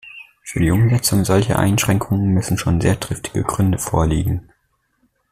Für die Umsetzung solcher Einschränkungen müssen schon sehr triftige Gründe vorliegen.